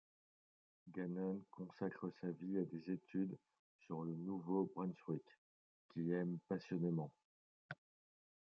Ganong consacre sa vie à des études sur le Nouveau-Brunswick, qu'il aime passionnément.